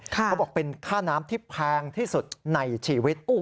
เขาบอกเป็นค่าน้ำที่แพงที่สุดในชีวิต